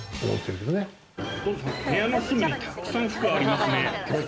部屋の隅にたくさん服ありますね。